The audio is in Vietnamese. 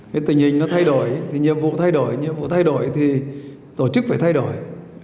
cái tình hình nó thay đổi thì nhiệm vụ thay đổi nhiệm vụ thay đổi thì tổ chức phải thay đổi